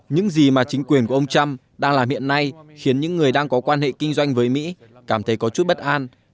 những gì mà chính quyền của ông trump đang làm hiện nay khiến những người đang có quan hệ kinh doanh với mỹ cảm thấy có chút bất an